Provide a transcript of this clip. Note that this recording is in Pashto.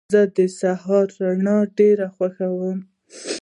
زه د سهار رڼا ډېره خوښوم.